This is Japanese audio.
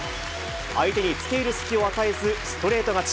相手につけいる隙を与えずストレート勝ち。